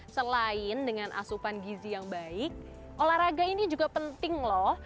selain dengan asupan gizi yang baik olahraga ini juga penting loh